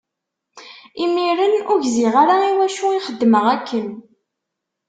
Imiren ur gziɣ ara i wacu i xeddmeɣ akken.